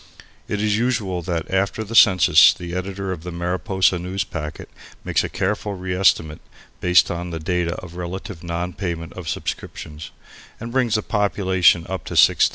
It is usual that after the census the editor of the Mariposa Newspacket makes a careful reestimate (based on the data of relative non payment of subscriptions), and brings the population up to 6,000.